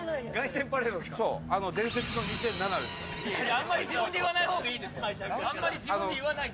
あんまり自分で言わない方がいいですよ。